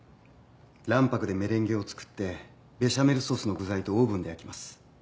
卵白でメレンゲを作ってベシャメルソースの具材とオーブンで焼きます。